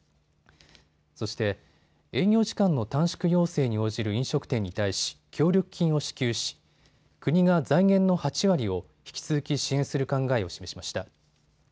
そして、営業時間の短縮要請に応じる飲食店に対し、協力金を支給し国が財源の８割を引き続き支援する考えを示しました。